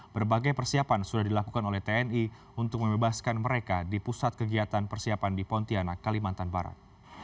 berbagai persiapan sudah dilakukan oleh tni untuk membebaskan mereka di pusat kegiatan persiapan di pontianak kalimantan barat